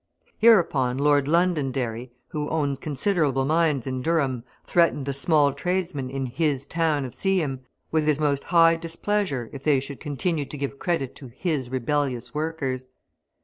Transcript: Hereupon Lord Londonderry, who owns considerable mines in Durham, threatened the small tradesmen in "his" town of Seaham with his most high displeasure if they should continue to give credit to "his" rebellious workers.